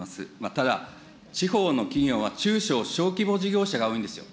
ただ、地方の企業は、中小、小規模事業者が多いんですよ。